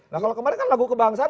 nah kalau kemarin kan lagu kebangsaan